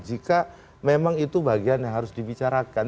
jika memang itu bagian yang harus dibicarakan